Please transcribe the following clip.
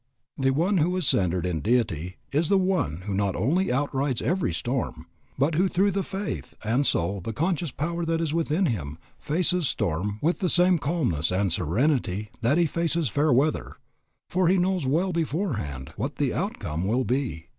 The one who is centred in Deity is the one who not only outrides every storm, but who through the faith, and so, the conscious power that is in him, faces storm with the same calmness and serenity that he faces fair weather; for he knows well beforehand what the outcome will be.